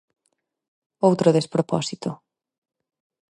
Outro despropósito.